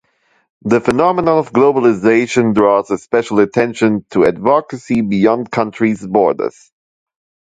The phenomenon of globalization draws a special attention to advocacy beyond countries' borders.